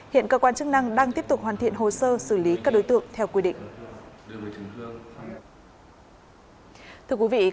hiện cơ quan chức năng đang tiếp tục hoàn thiện hồ sơ xử lý các đối tượng theo quy định